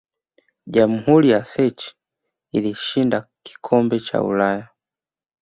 jamhuri ya czech ilishinda kikombe cha ulaya